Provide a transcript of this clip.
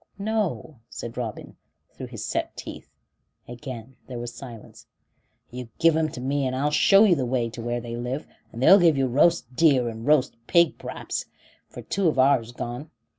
"No," said Robin, through his set teeth; and again there was silence. "You give 'em to me, and I'll show you the way to where they live and they'll give you roast deer and roast pig p'raps, for two of ourn's gone.